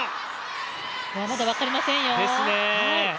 まだ分かりませんよ。